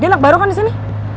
dia anak baru kan disini